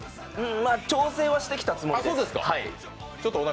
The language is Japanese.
調整はしてきたつもりです。